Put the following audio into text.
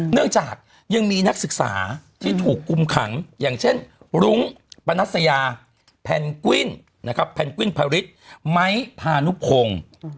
เนื่องจากยังมีนักศึกษาที่ถูกคุมขังอย่างเช่นรุ้งปนัสยาแพนกวิ้นนะครับแพนกวินพาริสไม้พานุพงศ์